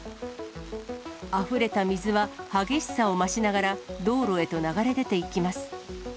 あふれた水は激しさを増しながら、道路へと流れ出ていきます。